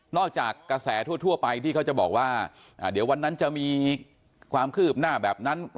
จากกระแสทั่วไปที่เขาจะบอกว่าเดี๋ยววันนั้นจะมีความคืบหน้าแบบนั้น